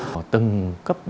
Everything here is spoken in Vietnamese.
họ từng cấp bình luận